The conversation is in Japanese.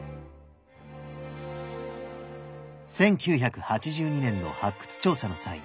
１９８２年の発掘調査の際